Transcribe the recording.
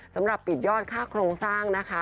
สำหรับปิดยอดค่าโครงสร้างนะคะ